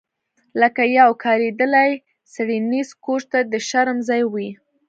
لکه یو کاریدلی څیړنیز کوچ چې د شرم ځای وي